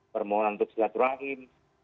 permohonan untuk sehat rahim